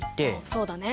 そうだね。